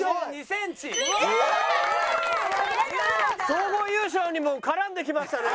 総合優勝にも絡んできましたね。